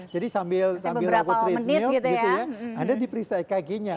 jadi sambil melakukan treadmill anda diperiksa ekg nya